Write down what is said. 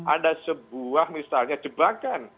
ada sebuah misalnya jebakan